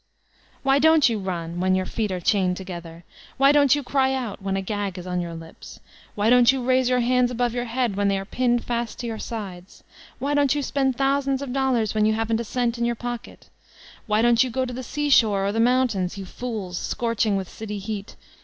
Why don't you run, when your feet are chained to gether? Why donH you cry out when a gag is on your lips? Why don't you raise your hands above your head when they are pinned fast to your sides? Why don't you spend thousands of dollars when you haven't a cent in your pocket? Why don't you go to the seashore or the mountains, you fools scorching with city heat?